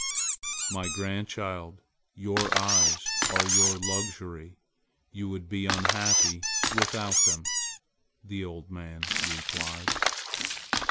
"My grandchild, your eyes are your luxury! you would be unhappy without them!" the old man replied.